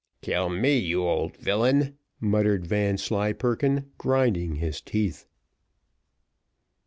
"Kill me, you old villain!" muttered Vanslyperken, grinding his teeth.